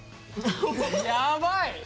やばい！